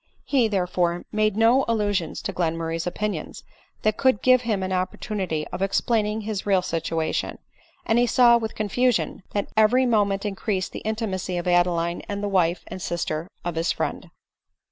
He, therefore, made no allusions to Glenmurray's opinions that could give him an opportunity of explaining his real situation ; and he saw with confusion, that every moment increased the intimacy of Adeline and the wife and sister of his friend.